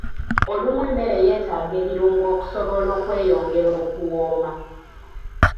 Olumu emmere yeetaaga ebirungo okusobola okweyongera okuwooma.